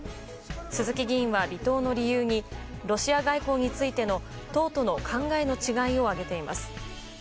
鈴木議員は、離党の理由にロシア外交についての党との考えの違いを挙げています。